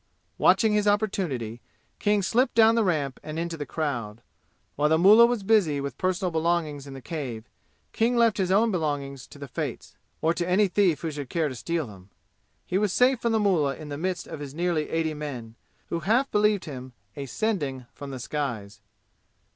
Watching his opportunity, King slipped down the ramp and into the crowd, while the mullah was busy with personal belongings in the cave. King left his own belongings to the fates, or to any thief who should care to steal them. He was safe from the mullah in the midst of his nearly eighty men, who half believed him a sending from the skies.